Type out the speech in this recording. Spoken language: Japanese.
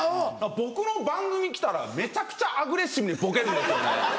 僕の番組来たらめちゃくちゃアグレッシブにボケるんですよ。